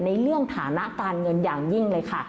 ในเรื่องฐานะการเงินอย่างยิ่งเลยค่ะ